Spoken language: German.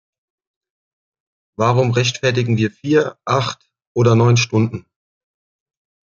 Warum rechtfertigen wir vier, acht oder neun Stunden?